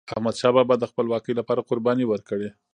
احمدشاه بابا د خپلواکی لپاره قرباني ورکړې.